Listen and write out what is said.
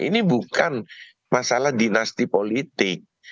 ini bukan masalah dinasti politik